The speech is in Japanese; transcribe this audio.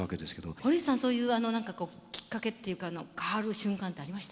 堀内さんそういうあの何かこうきっかけっていうか変わる瞬間ってありました？